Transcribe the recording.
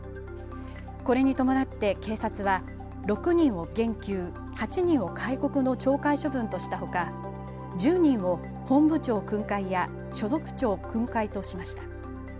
これに伴って警察は６人を減給、８人を戒告の懲戒処分としたほか１０人を本部長訓戒や所属長訓戒としました。